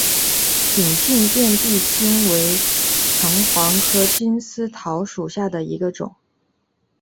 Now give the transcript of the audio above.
挺茎遍地金为藤黄科金丝桃属下的一个种。